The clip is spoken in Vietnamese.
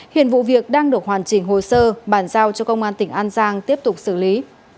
hiện vụ việc đang được hoàn chỉnh hồ sơ bàn giao cho công an tỉnh an giang tiếp tục xử lý